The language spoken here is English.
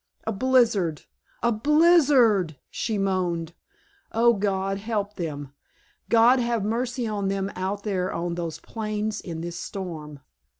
"A blizzard, a blizzard!" she moaned. "Oh, God, help them; God have mercy on them out there on those plains in this storm!"